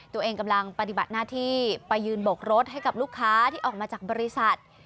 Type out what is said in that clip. ตัวเองกำลังปฏิบัติหน้าที่ไปยืนบกรถให้กับลูกค้าที่ออกมาจากบริษัท